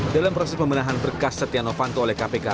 dalam proses pemenahan berkas setia novanto oleh kpk